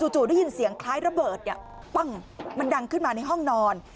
จู่ได้ยินเสียงคล้ายระเบิดปั้งมันดังขึ้นมาในห้องนอน